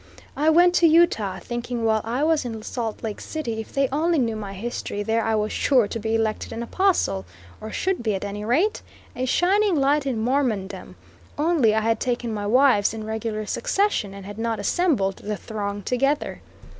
I went to Utah, thinking while I was in Salt Lake City, if they only knew my history there I was sure to be elected an apostle, or should be, at any rate, a shining light in Mormondom only I had taken my wives in regular succession, and had not assembled the throng together.